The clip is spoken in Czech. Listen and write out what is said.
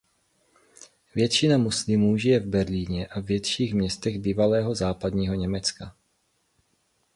Většina muslimů žije v Berlíně a větších městech bývalého Západního Německa.